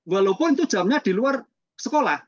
walaupun itu jamnya di luar sekolah